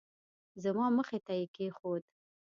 زما مخې ته یې کېښود.